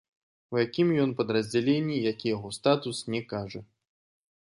У якім ён падраздзяленні і які ў яго статус, не кажа.